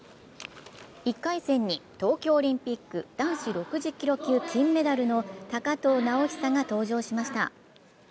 １回戦に東京オリンピック男子６０キロ級金メダルの高藤直寿が登場しました。